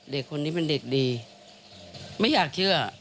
เด็กคนนี้เป็นเด็กดีไม่อยากเชื่อ